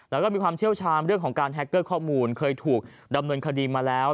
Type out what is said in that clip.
แล้วก็มีความเชี่ยวชาญเรื่องของการแฮคเกอร์ข้อมูลเคยถูกดำเนินคดีมาแล้ว